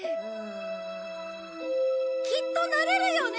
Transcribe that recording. きっとなれるよね！